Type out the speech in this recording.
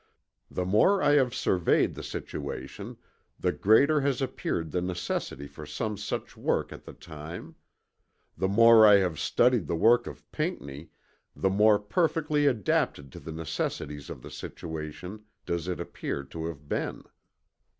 The more I have surveyed the situation, the greater has appeared the necessity for some such work at the time; the more I have studied the work of Pinckney, the more perfectly adapted to the necessities of the situation does it appear to have been.